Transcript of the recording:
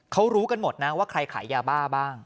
เขารู้กันหมดนะว่าใครขายยาบ้าบ้าง